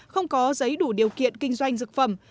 không có giấy đủ điều kiện kinh doanh dược phẩm